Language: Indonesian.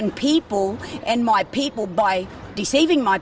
dan orang orang saya dengan mengecewakan orang orang saya